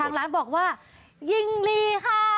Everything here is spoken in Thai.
ร้านบอกว่ายิงลีค่ะ